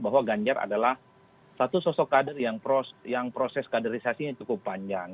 bahwa ganjar adalah satu sosok kader yang proses kaderisasinya cukup panjang